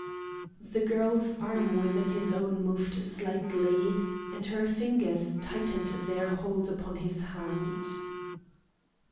The girl's arm within his own moved slightly, and her fingers tightened their hold upon his hand.